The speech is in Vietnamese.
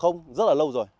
không rất là lâu rồi